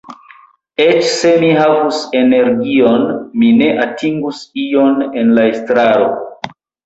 Eĉ se mi havus energion, mi ne atingus ion en la estraro.